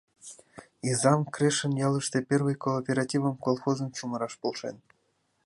Изам Крешын ялыште первый кооперативым, колхозым чумыраш полшен.